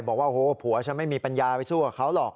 บอกว่าโอ้โหผัวฉันไม่มีปัญญาไปสู้กับเขาหรอก